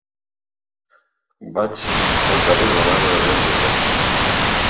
Vaig al carrer de la Mare de Déu dels Reis.